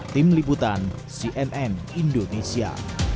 tim liputan cnn indonesia